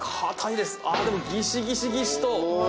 あぁでもギシギシギシと。